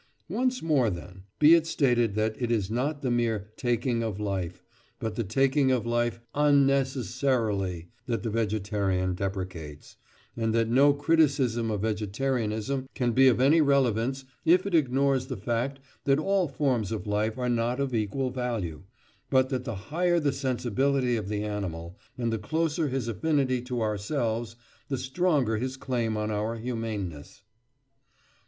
Once more, then, be it stated that it is not the mere "taking of life," but the taking of life unnecessarily that the vegetarian deprecates, and that no criticism of vegetarianism can be of any relevance if it ignores the fact that all forms of life are not of equal value, but that the higher the sensibility of the animal, and the closer his affinity to ourselves, the stronger his claim on our humaneness.